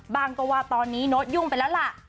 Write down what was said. ก็ว่าตอนนี้โน้ตยุ่งไปแล้วล่ะ